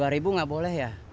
dua ribu nggak boleh ya